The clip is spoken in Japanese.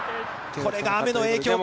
これが雨の影響か。